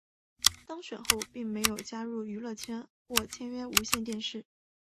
当选后并没有加入娱乐圈或签约无线电视。